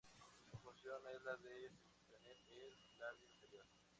Su función es la de sostener el labio inferior.